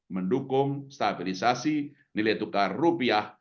mendukung stabilisasi nilai tukar rupiah